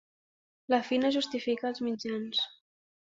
La fi no justifica els mitjans.